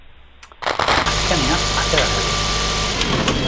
Azkenean atera da eguzkia!